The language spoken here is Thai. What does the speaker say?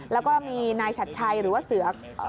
แล้วก็มีนายชัดชัยหรือว่าเสือ